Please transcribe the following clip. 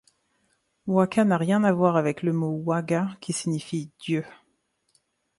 Waka n'a rien à voir avec le mot Waĝa, qui signifie dieu.